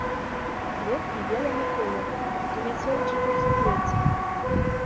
Кветкі белага колеру, у мяцёлчатых суквеццях.